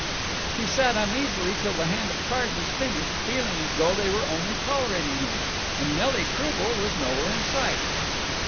He sat uneasy till the hand of cards was finished, feeling as though they were only tolerating him. And Nelly Croubel was nowhere in sight.